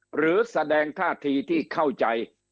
หรือแสดงท่าทีที่เข้าใจ